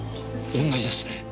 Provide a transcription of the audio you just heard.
同じですね。